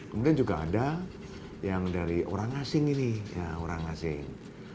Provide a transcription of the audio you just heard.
kemudian juga ada yang dari orang asing ini orang asing